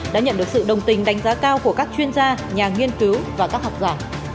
đã nhận được sự đồng tình đánh giá cao của các chuyên gia nhà nghiên cứu và các học giả